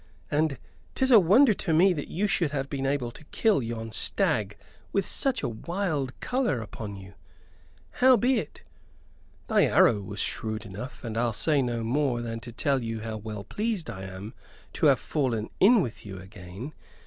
"And 'tis a wonder to me that you should have been able to kill yon stag with such a wild color upon you. Howbeit, thy arrow was shrewd enough, and I'll say no more than to tell how well pleased I am to have fallen in with you again.